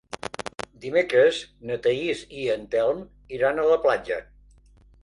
Dimecres na Thaís i en Telm iran a la platja.